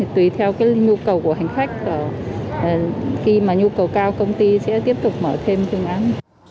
tùy theo cái nhu cầu của hành khách khi mà nhu cầu cao công ty sẽ tiếp tục mở thêm phương án